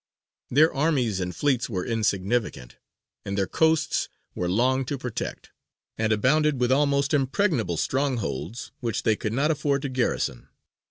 Their armies and fleets were insignificant, and their coasts were long to protect, and abounded with almost impregnable strongholds which they could not afford to garrison.